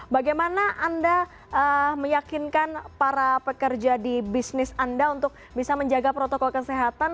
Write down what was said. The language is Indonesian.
bagaimana anda meyakinkan para pekerja di bisnis anda untuk bisa menjaga protokol kesehatan